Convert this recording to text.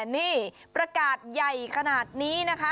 นี่ประกาศใหญ่ขนาดนี้นะคะ